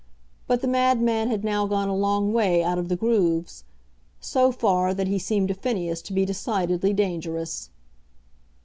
But the madman had now gone a long way out of the grooves; so far, that he seemed to Phineas to be decidedly dangerous.